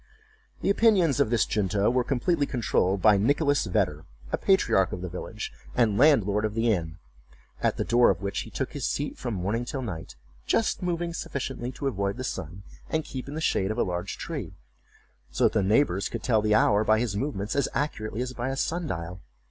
The opinions of this junto were completely controlled by Nicholas Vedder, a patriarch of the village, and landlord of the inn, at the door of which he took his seat from morning till night, just moving sufficiently to avoid the sun and keep in the shade of a large tree; so that the neighbors could tell the hour by his movements as accurately as by a sundial.